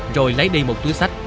rồi lấy đi một túi sách